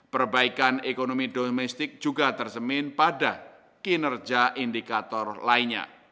perbaikan ekonomi domestik juga tersemin pada kinerja indikator lainnya